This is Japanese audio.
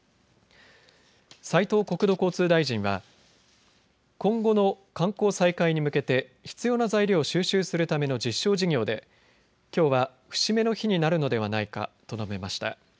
斉藤国土交通大臣は今後の観光再開に向けて必要な材料を収集するための実証事業できょうは節目の日になるのではないかと述べました。